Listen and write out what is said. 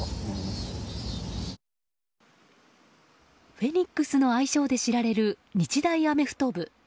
フェニックスの愛称で知られる日大アメフト部。